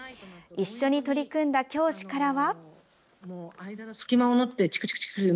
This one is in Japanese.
一緒に取り組んだ教師からは。